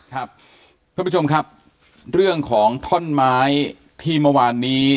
ท่านผู้ชมครับเรื่องของท่อนไม้ที่เมื่อวานนี้